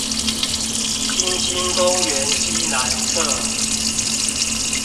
新興公園西南側